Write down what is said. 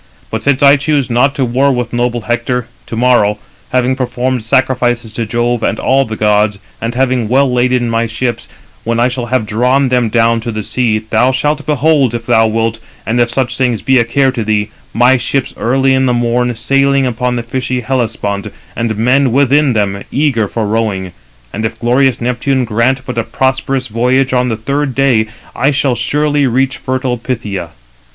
But since I choose not to war with noble Hector, to morrow, 306 having performed sacrifices to Jove and all the gods, [and] having well laden my ships, when I shall have drawn them down to the sea, thou shalt behold, if thou wilt, and if such things be a care to thee, my ships early in the morn sailing upon the fishy Hellespont, and men within them, eager for rowing; and if glorious Neptune grant but a prosperous voyage, on the third day I shall surely reach fertile Phthia.